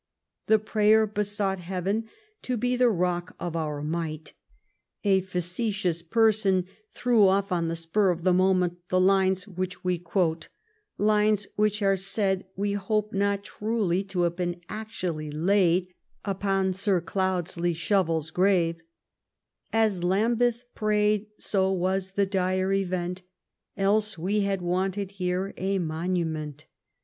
The prayer besought Heaven to be " the rock of our might.'' A facetious person threw off on the spur of the mo 345 THE REIGN OF QUEEN ANNE ment the lines which we quote — ^lines which are said, we hope not truly, to have been actually laid upon Sir Cloudesley ShovePs grave: "As Lambeth pray'd, so was the dire event, Else we had wanted here a monument.